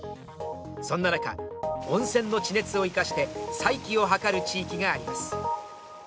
そんな中、温泉の地熱を生かして再起を図る地域があります。